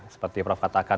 seperti prof katakan